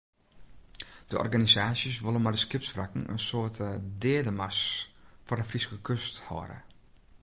De organisaasjes wolle mei de skipswrakken in soart deademars foar de Fryske kust hâlde.